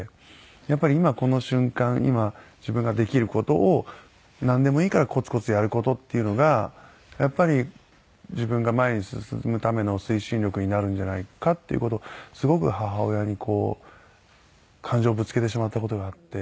やっぱり今この瞬間今自分ができる事をなんでもいいからコツコツやる事っていうのがやっぱり自分が前に進むための推進力になるんじゃないかっていう事をすごく母親に感情をぶつけてしまった事があって。